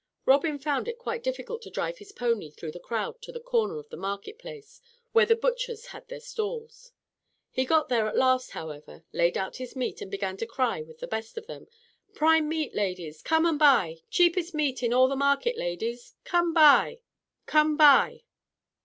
Robin found it quite difficult to drive his pony through the crowd to the corner of the market place where the butchers had their stalls. He got there at last, however, laid out his meat, and began to cry with the best of them. "Prime meat, ladies. Come and buy. Cheapest meat in all the market, ladies. Come buy, come buy.